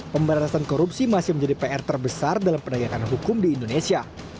pemberantasan korupsi masih menjadi pr terbesar dalam pendayakan hukum di indonesia